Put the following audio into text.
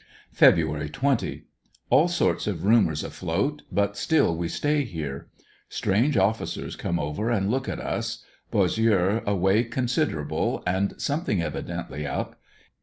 Feb. 20.— All sorts of rumors afloat, but still we stay here. Strange officers come over and look at us. Bossieux away con siderable, and something evidently up.